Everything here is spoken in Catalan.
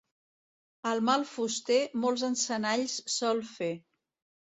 El mal fuster molts encenalls sol fer.